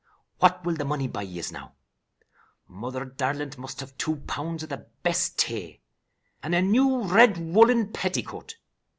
What will the money buy yez now? Mother darlint must have two pounds of the best tay, and a new red woollen petticoat.